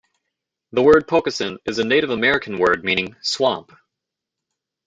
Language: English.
The word pocosin is a Native American word meaning "swamp".